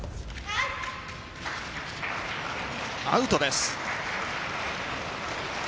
アウトです。